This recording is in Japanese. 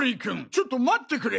ちょっと待ってくれ。